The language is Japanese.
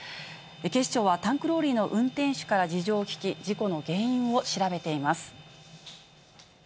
警視庁は、タンクローリーの運転手から事情を聴き、事故の原因を調べています。